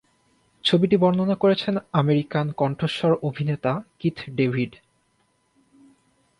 ছবিটি বর্ণনা করেছেন আমেরিকান কণ্ঠস্বর অভিনেতা কিথ ডেভিড।